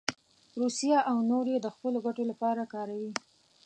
روسیه او نور یې د خپلو ګټو لپاره کاروي.